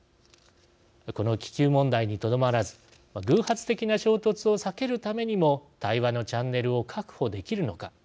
この気球問題にとどまらず偶発的な衝突を避けるためにも対話のチャンネルを確保できるのか。